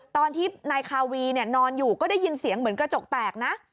ตอนที่นายคาวีนอนอยู่ก็ได้ยินเสียงเหมือนกระจกแตกนะ